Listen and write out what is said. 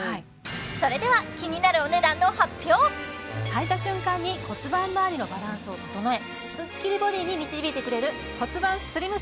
それでは気になるはいた瞬間に骨盤まわりのバランスを整えスッキリボディに導いてくれる骨盤スリム